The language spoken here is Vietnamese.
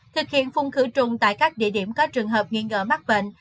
thực hiện phun khử trùng tại các địa điểm có trường hợp nghi ngờ mắc bệnh